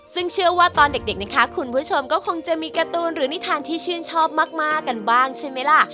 ซึ่งเชื่อว่าตอนเด็กนะคะคุณผู้ชมก็คงจะมีการ์ตูนหรือนิทานที่ชื่นชอบมากกันบ้างใช่ไหมล่ะ